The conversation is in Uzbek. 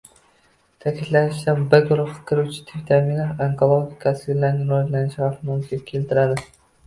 Ta’kidlanishicha, B guruhiga kiruvchi vitaminlar onkologik kasalliklarning rivojlanish xavfini yuzaga keltiradi